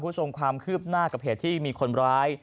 คุณผู้ชมความคืบหน้ากับเหตุที่มีคนร้าย